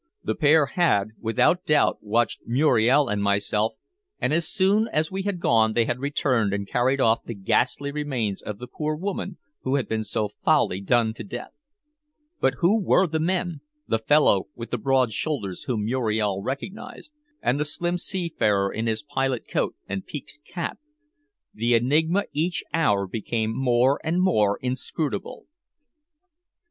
The pair had, without doubt, watched Muriel and myself, and as soon as we had gone they had returned and carried off the ghastly remains of the poor woman who had been so foully done to death. But who were the men the fellow with the broad shoulders whom Muriel recognized, and the slim seafarer in his pilot coat and peaked cap? The enigma each hour became more and more inscrutable.